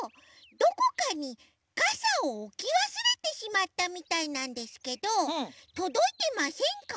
どこかにかさをおきわすれてしまったみたいなんですけどとどいてませんか？